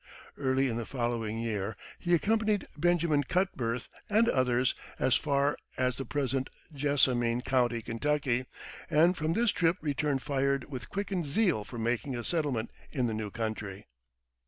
Early in the following year he accompanied Benjamin Cutbirth and others as far as the present Jessamine County, Ky., and from this trip returned fired with quickened zeal for making a settlement in the new country.